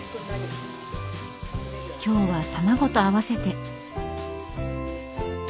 今日は卵と合わせて。